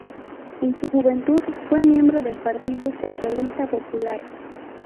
En su juventud fue miembro del Partido Socialista Popular.